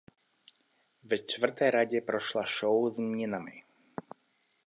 Ve čtvrté řadě prošla show změnami.